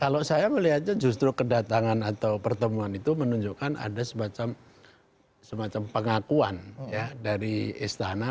kalau saya melihatnya justru kedatangan atau pertemuan itu menunjukkan ada semacam pengakuan dari istana